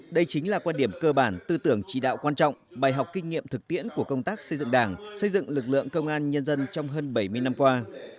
đây chính là quan điểm cơ bản tư tưởng chỉ đạo quan trọng bài học kinh nghiệm thực tiễn của công tác xây dựng đảng xây dựng lực lượng công an nhân dân trong hơn bảy mươi năm qua